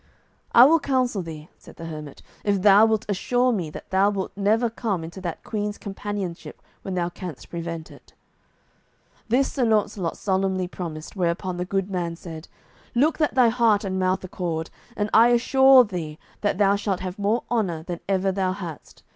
"I will counsel thee," said the hermit, "if thou wilt assure me that thou wilt never come into that queen's companionship when thou canst prevent it." This Sir Launcelot solemnly promised, whereupon the good man said, "Look that thy heart and mouth accord, and I assure thee that thou shalt have more honour than ever thou hadst.